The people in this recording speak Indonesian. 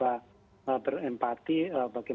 ya sekarang saya singgah lagi